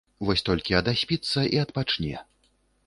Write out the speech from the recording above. Вось толькі адаспіцца і адпачне.